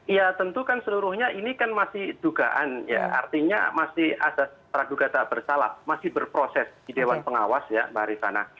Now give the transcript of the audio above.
ya tentu kan seluruhnya ini kan masih dugaan ya artinya masih asas peraduga tak bersalah masih berproses di dewan pengawas ya mbak rifana